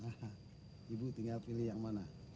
hahaha ibu tinggal pilih yang mana